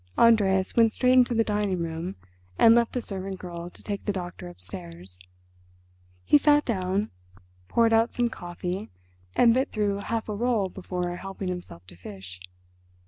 Andreas went straight into the dining room and left the servant girl to take the doctor upstairs. He sat down, poured out some coffee, and bit through half a roll before helping himself to fish.